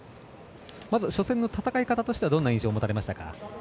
まず初戦の戦い方としてはどんな印象をもたれましたか。